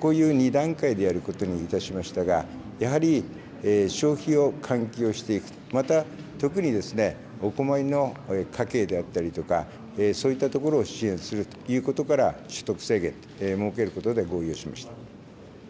こういう２段階でやることにいたしましたが、やはり消費を喚起をしていく、また特にお困りの家計であったりとか、そういったところを支援するということから、所得制限、設けることで合意をしました。